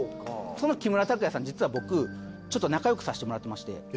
その木村拓哉さん実は僕ちょっと仲よくさせてもらってまして。